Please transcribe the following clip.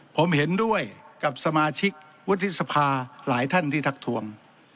ผมเห็นด้วยกับสมาชิกวุฒิสภาหลายท่านที่ทักทวง